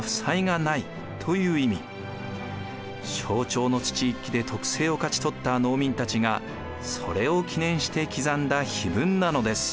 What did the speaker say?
正長の土一揆で徳政を勝ち取った農民たちがそれを記念して刻んだ碑文なのです。